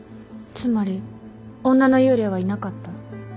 つまり女の幽霊はいなかった。